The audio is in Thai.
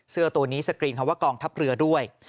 เสื้อตัวนี้สกรีนคำว่ากองทัพเรือด้วย